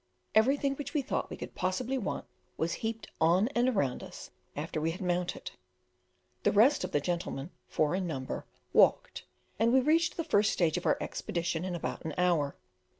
Everything which we thought we could possibly want was heaped on and around us after we had mounted; the rest of the gentlemen, four in number, walked, and we reached the first stage of our expedition in about an hour.